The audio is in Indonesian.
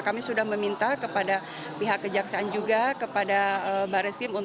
kami sudah meminta kepada pihak kekejaksaan juga kepada barisim untuk melampirkan aset yang sudah mereka sita